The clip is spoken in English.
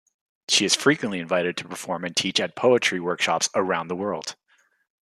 She is frequently invited to perform and teach at poetry workshops around the world.